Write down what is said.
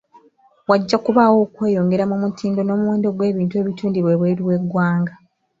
Wajja kubaawo okweyongera mu mutindo n'omuwendo gw'ebintu ebitundibwa ebweru w'eggwanga.